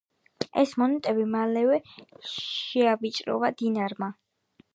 ეს მონეტები მალევე შეავიწროვა დინარმა.